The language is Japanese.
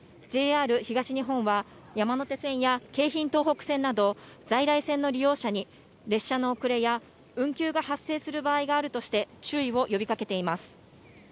ＪＲ東日本は、山手線や京浜東北線など、在来線の利用者に、列車の遅れや運休が発生する場合があるとして、注意を呼びかけています。